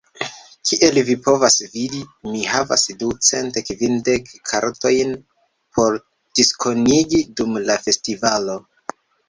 Kiel vi povas vidi, mi havas ducent kvindek kartojn, por diskonigi dum la festivalo.